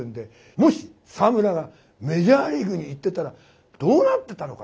もし沢村がメジャーリーグに行ってたらどうなってたのか。